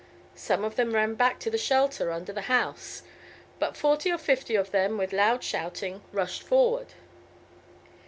Some of them ran back to the shelter under the house, but forty or fifty of them with loud shouting rushed forward.